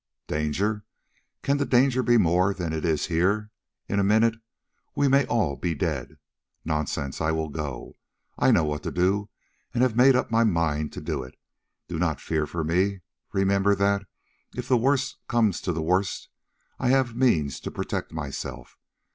"Danger! Can the danger be more than it is here? In a minute we may all be dead. Nonsense! I will go! I know what to do and have made up my mind to it. Do not fear for me. Remember that, if the worst comes to the worst, I have the means to protect myself.